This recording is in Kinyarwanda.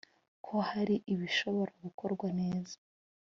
ko hari ibishobora gukorwa neza